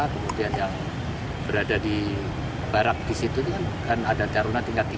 kemudian yang berada di barak di situ kan ada taruna tingkat tiga